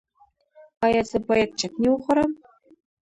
ایا زه باید چتني وخورم؟